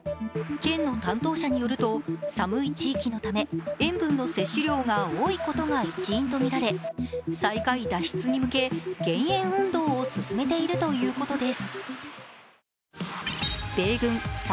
県の担当者によると寒い地域のため塩分の摂取量が多いことが一因とみられ最下位脱出に向け、減塩運動を進めているということです。